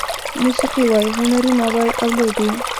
موسيقي وای، هنرونه وای او لوبې